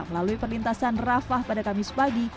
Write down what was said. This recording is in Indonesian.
melalui perlintasan rafah pada kamis pagi